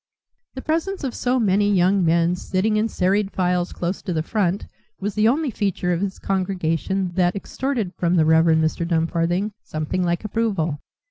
The presence of so many young men sitting in serried files close to the front was the only feature of his congregation that extorted from the Rev. Mr. Dumfarthing something like approval.